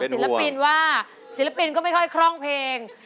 ศิลปินว่าศิลปินก็ไม่ค่อยคล่องเพลง